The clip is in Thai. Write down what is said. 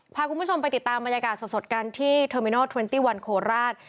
พาคุณผู้ชมไปติดตามบรรยากาศสดกันที่เทอร์มินอลเทรนตี้วันโคราช